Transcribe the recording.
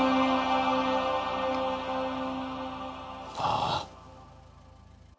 ああ。